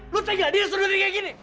lu tengah diriold tiga kaya gini